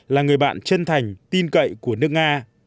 là người bạn chân thành tin cậy của nước nga